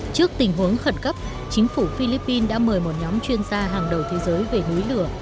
trước tình huống khẩn cấp chính phủ philippines đã mời một nhóm chuyên gia hàng đầu thế giới về núi lửa